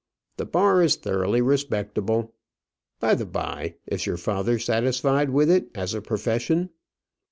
The bar is thoroughly respectable. By the by, is your father satisfied with it as a profession?"